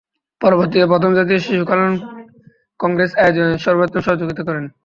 পরবর্তীতে প্রথম জাতীয় শিশু কল্যাণ কংগ্রেস আয়োজনে সর্বাত্মক সহযোগিতা করেন।